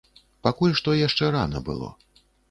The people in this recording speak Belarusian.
Пакуль што яшчэ рана было.